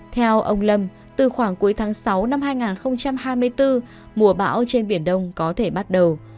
theo ông lâm từ khoảng cuối tháng sáu năm hai nghìn hai mươi bốn mùa bão trên biển đông có thể bắt đầu